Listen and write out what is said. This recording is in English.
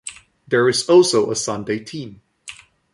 There is also a Sunday team.